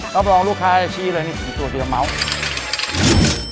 แล้วปลองลูกค้าชี้เลยนี่สี่ตัวเดียวเมาส์